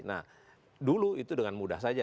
nah dulu itu dengan mudah saja